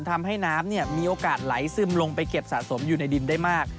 ทำให้น้ำมีโอกาสไหลซึมลงไปเก็บสะสมอยู่ในดินได้มาก